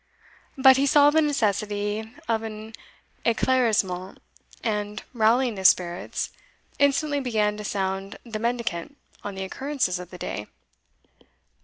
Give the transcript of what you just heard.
But he saw the necessity of an e'claircissement, and, rallying his spirits, instantly began to sound the mendicant on the occurrences of the day.